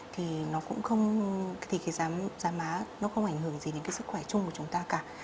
thì giá má không ảnh hưởng gì đến sức khỏe chung của chúng ta cả